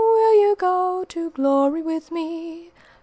Will you go to glory with me?